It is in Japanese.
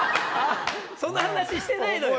その話してないのよ。